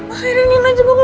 akhirnya nino jenguk aku ma